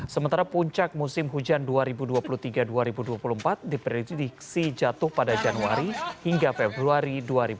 sementara puncak musim hujan dua ribu dua puluh tiga dua ribu dua puluh empat diprediksi jatuh pada januari hingga februari dua ribu dua puluh